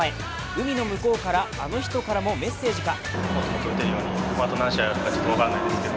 海の向こうのあの人からもメッセージが。